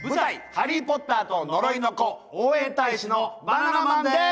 「ハリー・ポッターと呪いの子」応援大使のバナナマンです